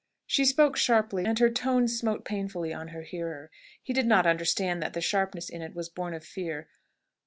She spoke sharply, and her tones smote painfully on her hearer. He did not understand that the sharpness in it was born of fear.